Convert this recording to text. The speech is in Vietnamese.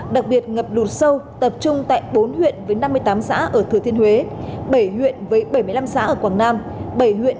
đặc biệt ngập lụt sâu tập trung tại bốn huyện với năm mươi tám xã ở thừa thiên huế bảy huyện với bảy mươi năm xã ở quảng nam bảy huyện với bảy mươi bốn xã ở quảng ngãi với độ sâu phổ biến từ ba sáu m